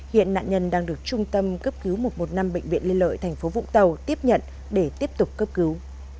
hiện nạn nhân đang được trung tâm cấp cứu một trăm một mươi năm bệnh viện liên lợi tp vũng tàu tiếp nhận để tiếp tục cấp cứu